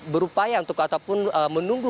berupaya untuk ataupun menunggu